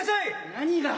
何が？